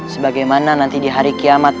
sebagaimana nanti di hari kiamat